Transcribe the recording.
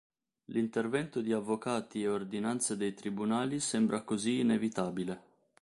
L'intervento di avvocati e ordinanze dei tribunali sembra così inevitabile.